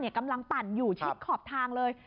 กำลังปั่นอยู่ชิ้นขอบทางเลย